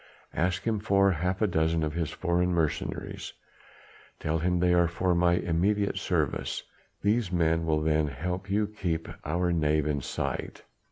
Ask him for half a dozen of his foreign mercenaries; tell him they are for my immediate service. These men will then help you to keep our knave in sight.